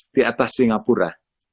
di atas singapura